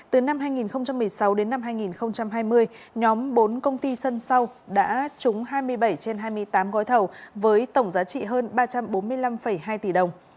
từ năm hai nghìn một mươi sáu đến năm hai nghìn hai mươi nhóm bốn công ty sân sau đã trúng hai mươi bảy trên hai mươi tám gói thầu với tổng giá trị hơn ba trăm bốn mươi năm hai tỷ đồng